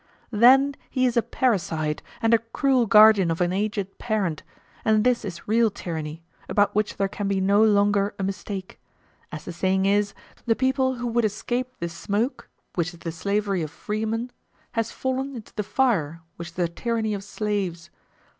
Then he is a parricide, and a cruel guardian of an aged parent; and this is real tyranny, about which there can be no longer a mistake: as the saying is, the people who would escape the smoke which is the slavery of freemen, has fallen into the fire which is the tyranny of slaves.